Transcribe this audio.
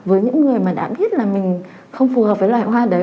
với những người mà đã biết là mình không phù hợp với loài hoa đấy